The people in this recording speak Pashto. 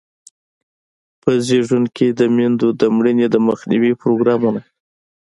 په زیږون کې د میندو د مړینې د مخنیوي پروګرامونه.